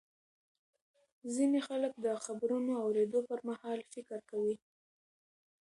ځینې خلک د خبرونو اورېدو پر مهال فکر کوي.